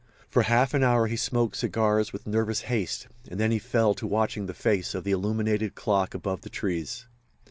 For half an hour he smoked cigars with nervous haste, and then he fell to watching the face of the illuminated clock above the trees.